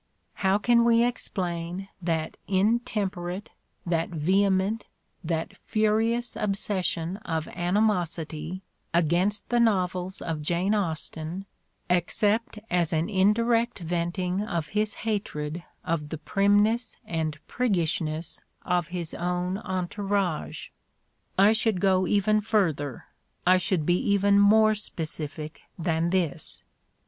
How can we explain that intemperate, that vehement, that furi ous obsession of animosity against the novels of Jane 1 Austen except as an indirect venting of his hatred of the primness and priggishness of his own entourage? I should go even further, I should be even more specific, than this.